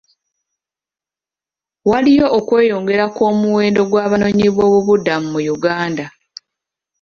Waliyo okweyongera kw'omuwendo gw'Abanoonyi boobubudamu mu Uganda.